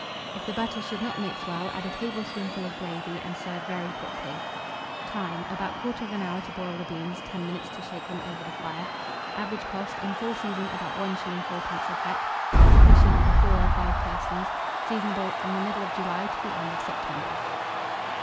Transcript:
If the butter should not mix well, add a tablespoonful of gravy, and serve very quickly. Time. About 1/4 hour to boil the beans; 10 minutes to shake them over the fire. Average cost, in full season, about 1s. 4d. a peck. Sufficient for 4 or 5 persons. Seasonable from the middle of July to the end of September.